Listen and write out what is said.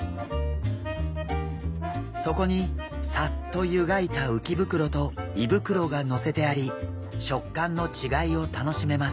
そこにさっと湯がいた鰾と胃袋がのせてあり食感の違いを楽しめます。